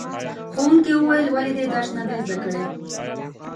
ښوونکي وویل ولې دې درس نه دی زده کړی؟